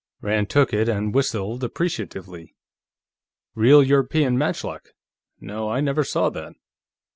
Rand took it and whistled appreciatively. "Real European matchlock; no, I never saw that.